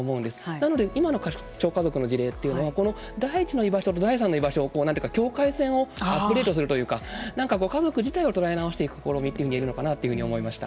なので今の拡張家族の事例というのはこの第１の居場所と第３の居場所を境界線をアップデートするというかなんか家族自体を捉え直していく試みかなというふうに言えると思いました。